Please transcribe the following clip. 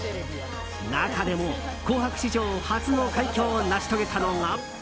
中でも「紅白」史上初の快挙を成し遂げたのが。